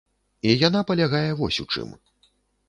І яна палягае вось у чым.